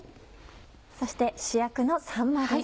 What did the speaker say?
そして主役のさんまです。